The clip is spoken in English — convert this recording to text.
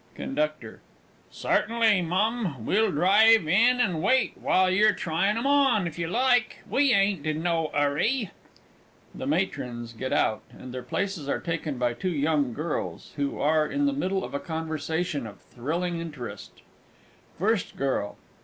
CONDUCTOR. Cert'inly, Mum, we'll drive in and wait while you're tryin' 'em on, if you like we ain't in no 'urry! [The MATRONS get out, and their places are taken by two young girls, who are in the middle of a conversation of thrilling interest. FIRST GIRL.